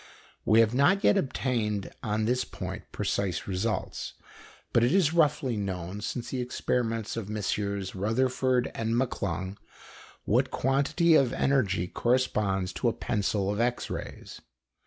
We have not yet obtained on this point precise results, but it is roughly known, since the experiments of MM. Rutherford and M'Clung, what quantity of energy corresponds to a pencil of X rays.